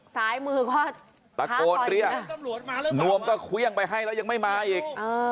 ซ้ายมือก็ตะโกนเรียกนวมก็เครื่องไปให้แล้วยังไม่มาอีก